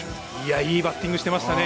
いいバッティングしていましたね。